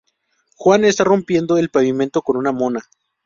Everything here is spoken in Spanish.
Juan está rompiendo el pavimento con una mona